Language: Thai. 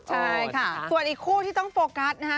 ใช่ค่ะส่วนอีกคู่ที่ต้องโฟกัสนะฮะ